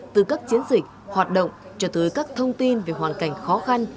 từ các chiến dịch hoạt động cho tới các thông tin về hoàn cảnh khó khăn